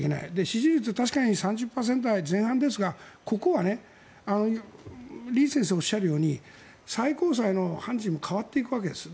支持率確かに３０％台前半ですがここは李先生がおっしゃるように最高裁の判事も代わっていくわけです。